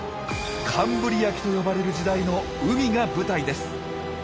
「カンブリア紀」と呼ばれる時代の海が舞台です。